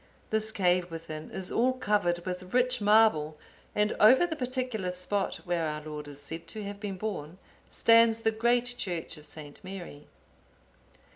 This cave within is all covered with rich marble, and over the particular spot where our Lord is said to have been born, stands the great church of St. Mary."